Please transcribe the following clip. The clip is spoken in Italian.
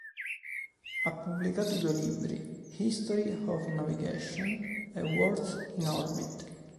Ha pubblicato due libri, "History of navigation" e "Worlds in orbit".